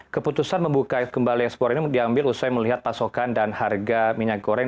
keputusan membuka kembali ekspor ini diambil usai melihat pasokan dan harga minyak goreng